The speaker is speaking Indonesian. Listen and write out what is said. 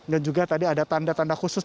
dan juga tadi ada tanda tanda khusus